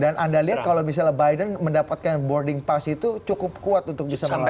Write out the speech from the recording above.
dan anda lihat kalau misalnya biden mendapatkan boarding pass itu cukup kuat untuk bisa menantang trump